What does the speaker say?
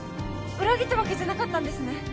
裏切ったわけじゃなかったんですね？